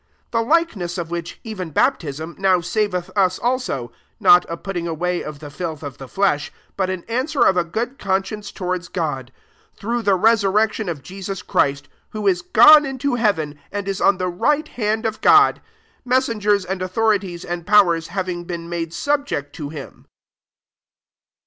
J 21 The likeness of which, ev€n baptism, now sav eth us also, (not a putting away of die filth of the flesh, but an answer of a good conscience towards God,) through the re surrection of Jesus Christ ; 22 who is gone into heaven, and is on the right hand of God ; mes sengers and authorities and powers having been made sub ject to him.